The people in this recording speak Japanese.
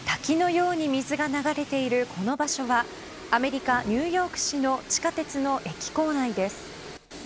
滝のように水が流れているこの場所はアメリカ・ニューヨーク市の地下鉄の駅構内です。